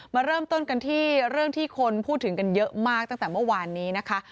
มาเริ่มต้นกันที่เรื่องที่คนพูดถึงกันเยอะมากตั้งแต่เมื่อวานนี้นะคะ